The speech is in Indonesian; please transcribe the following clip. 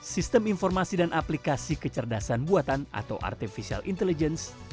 sistem informasi dan aplikasi kecerdasan buatan atau artificial intelligence